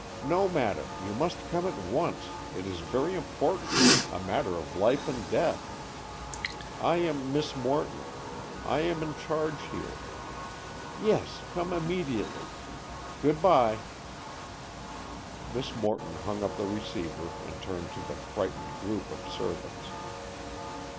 ... No matter; you must come at once—it is very important—a matter of life and death. ... I am Miss Morton. I am in charge here. Yes, come immediately! Good by." Miss Morton hung up the receiver and turned to the frightened group of servants.